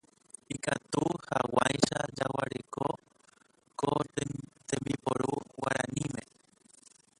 Ikatu hag̃uáicha jaguereko ko tembiporu guaraníme